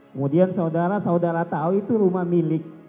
kemudian saudara saudara tahu itu rumah milik